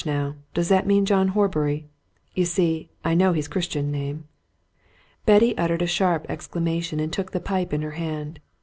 now? does that mean John Horbury? you see, I know his Christian name." Betty uttered a sharp exclamation and took the pipe in her hand.